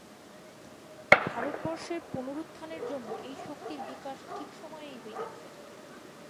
ভারতবর্ষের পুনরুত্থানের জন্য এই শক্তির বিকাশ ঠিক সময়েই হইয়াছে।